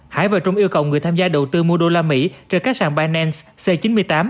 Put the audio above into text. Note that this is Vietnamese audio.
hải và trung yêu cộng người tham gia đầu tư mua đô la mỹ trên các sàng binance c chín mươi tám